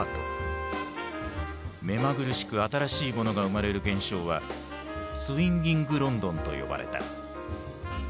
目まぐるしく新しいものが生まれる現象はスウィンギング・ロンドンと呼ばれた。